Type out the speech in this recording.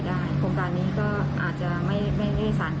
โครงการนี้ก็อาจจะไม่ได้สั่ง